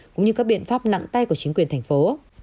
cũng như các biện pháp nặng tay của chính quyền thành phố